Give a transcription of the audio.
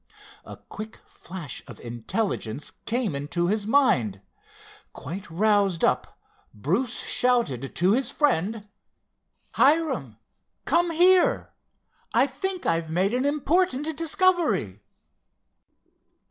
A quick flash of intelligence came into his mind. Quite roused up, Bruce shouted to his friend: "Hiram, come here, I think I've made an important discovery!"